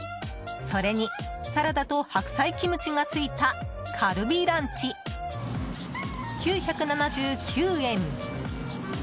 それにサラダと白菜キムチがついたカルビランチ、９７９円。